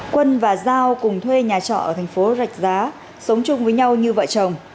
quân và giao cùng thuê nhà trọ ở thành phố rạch giá sống chung với nhau như vợ chồng